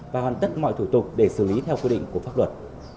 và hoàn tất mọi thủ tục để xử lý theo quy định của pháp luật